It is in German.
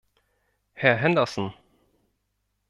Herr Henderson!